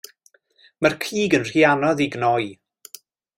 Mae'r cig yn rhy anodd ei gnoi.